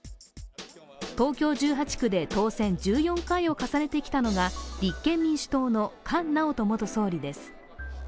東京１８区で当選１４回を重ねてきたのが立憲民主党の菅直人元総理です。